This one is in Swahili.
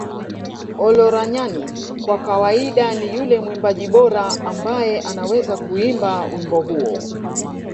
Olaranyani kwa kawaida ni yule mwimbaji bora ambaye anaweza kuimba wimbo huo